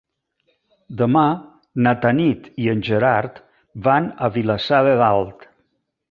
Demà na Tanit i en Gerard van a Vilassar de Dalt.